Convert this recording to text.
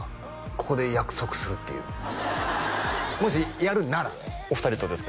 ここで約束するっていうもしやるならお二人とですか？